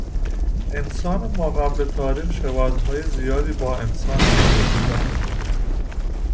انسان ماقبل تاریخ شباهتهای زیادی با انسان امروزی دارد.